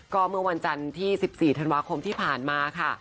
ก็เมื่อวันจันทร์ที่๑๔ธันวาคมที่ผ่านมาค่ะ